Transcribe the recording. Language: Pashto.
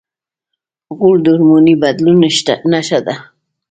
غول د هورموني بدلون نښه ده.